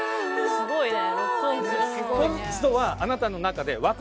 すごいね。